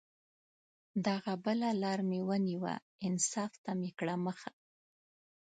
دغه بله لار مې ونیوه، انصاف ته مې کړه مخه